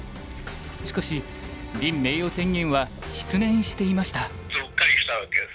しかし林名誉天元は失念していました。